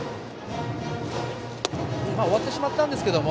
終わってしまったんですが